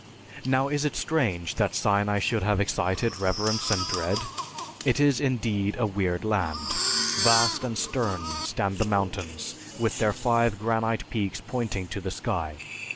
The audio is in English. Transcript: Now is it strange that Sinai should have excited reverence and dread? It is indeed a weird land. Vast and stern stand the mountains, with their five granite peaks pointing to the sky.